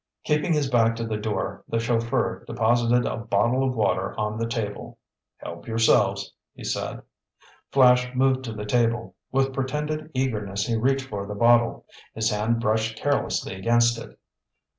Keeping his back to the door, the chauffeur deposited a bottle of water on the table. "Help yourselves," he said. Flash moved to the table. With pretended eagerness he reached for the bottle. His hand brushed carelessly against it.